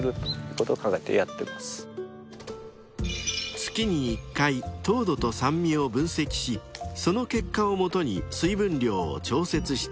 ［月に１回糖度と酸味を分析しその結果を基に水分量を調節しています］